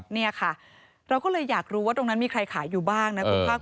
เราก็อยากรู้จริงว่าตรงนั้นมีใครขายอยู่บ้าง